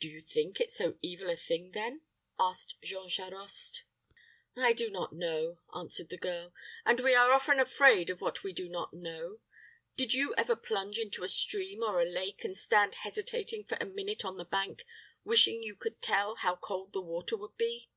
"Do you think it so evil a thing, then?" asked Jean Charost. "I do not know," answered the girl; "and we are often afraid of what we do not know. Did you ever plunge into a stream or a lake, and stand hesitating for a minute on the bank, wishing you could tell how cold the water would be?